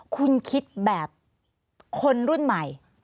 คุณคิดแบบคนรุ่นใหม่